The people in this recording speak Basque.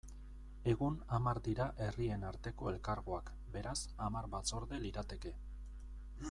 Egun hamar dira herrien arteko elkargoak, beraz, hamar batzorde lirateke.